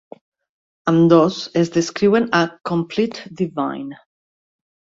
Ambdós es descriuen a "Complete Divine".